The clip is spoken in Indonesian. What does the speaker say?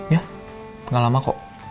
ya gak lama kok